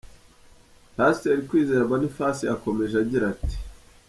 Pastor Kwizera Boniface yakomeje agira ati: .